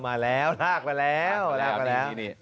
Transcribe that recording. มาแล้วลากไปแล้วลากไปแล้ว